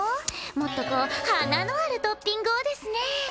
もっとこう華のあるトッピングをですね。